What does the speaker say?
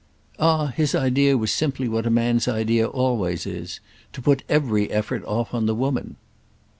"Ah his idea was simply what a man's idea always is—to put every effort off on the woman."